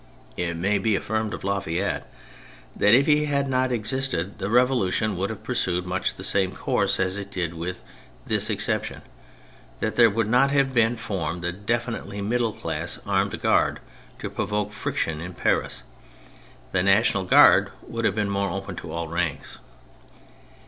It may be affirmed of La Fayette that if he had not existed the Revolution would have pursued much the same course as it did, with this exception : that there would not have been formed a definitely middle class armed guard to provoke friction in Paris : the National Guard would have been more open to all ranks.